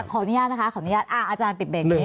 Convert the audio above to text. ขออนุญาตนะคะอาจารย์ปิดเบรกนี้